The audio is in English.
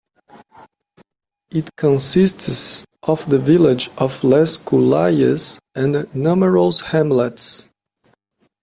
It consists of the village of Les Cullayes and numerous hamlets.